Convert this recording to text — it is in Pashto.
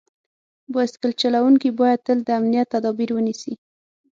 بایسکل چلونکي باید تل د امنیت تدابیر ونیسي.